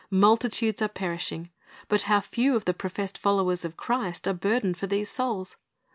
Multitudes are perishing. But how few of the professed followers of Christ are burdened for these souls.